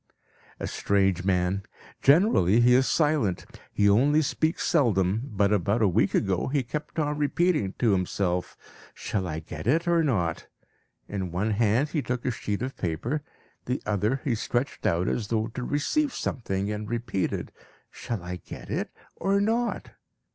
"...¬Ýa strange man. Generally he is silent; he only speaks seldom, but about a week ago he kept on repeating to himself, 'Shall I get it or not?' In one hand he took a sheet of paper; the other he stretched out as though to receive something, and repeated, 'Shall I get it or not?'